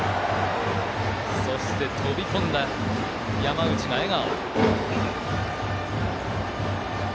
そして飛び込んだ山内が笑顔。